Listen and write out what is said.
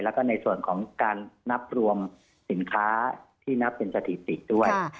แล้วก็ในส่วนของการนับรวมสินค้าที่นับเป็นสถิติด้วย